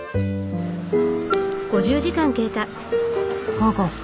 午後。